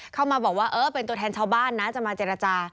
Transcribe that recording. เข้ามาบอกว่าเออเป็นตัวแทนชาวบ้านนะจะมาเจรจา